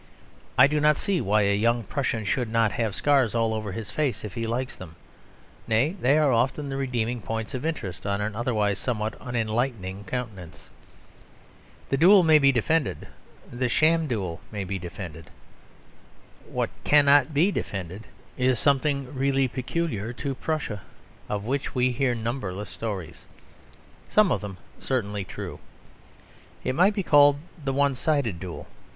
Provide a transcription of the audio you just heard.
I do not see why a young Prussian should not have scars all over his face if he likes them; nay, they are often the redeeming points of interest on an otherwise somewhat unenlightening countenance. The duel may be defended; the sham duel may be defended. What cannot be defended is something really peculiar to Prussia, of which we hear numberless stories, some of them certainly true. It might be called the one sided duel.